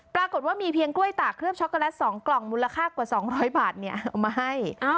ปรากฏว่ามีเพียงกล้วยตากเครื่องช็อกโกแลต๒กล่องมูลค่ากว่า๒๐๐บาทเอามาให้